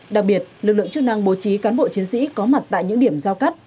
đặc biệt lực lượng chức năng bố trí cán bộ chiến sĩ có mặt tại những điểm giao cắt